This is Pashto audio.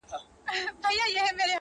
• بیا په خپل مدارکي نه سي ګرځېدلای ,